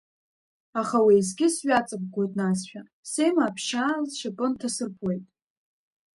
Аха уеизгьы сҩаҵыгәгәоит насшәа, сеимаа ԥшьаала сшьапы нҭасырԥоит.